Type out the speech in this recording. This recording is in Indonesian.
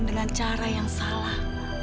dengan cara yang salah